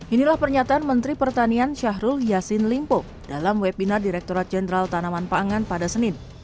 inilah pernyataan menteri pertanian syahrul yassin limpo dalam webinar direkturat jenderal tanaman pangan pada senin